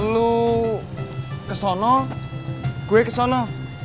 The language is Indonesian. lo kesana gue kesana